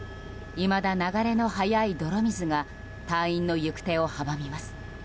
いまだ流れの速い泥水が隊員の行く手を阻みます。